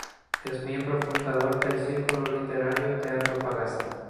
Es miembro fundador del Círculo literario de Antofagasta.